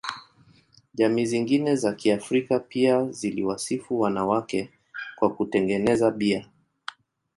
Jamii zingine za Kiafrika pia ziliwasifu wanawake kwa kutengeneza bia.